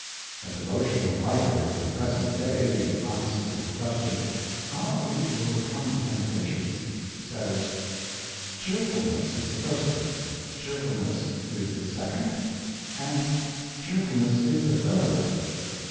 A devotional writer of the present day, in answer to the question; How are we to overcome temp tations? says: "Cheerfulness is the first thing, cheer fulness is the second, and cheerfulness is the third."